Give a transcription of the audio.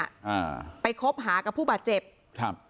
อ่าไปคบหากับผู้บาดเจ็บครับ